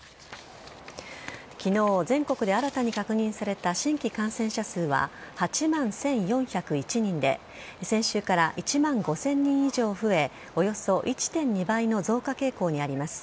昨日、全国で新たに確認された新規感染者数は８万１４０１人で先週から１万５０００人以上増えおよそ１．２倍の増加傾向にあります。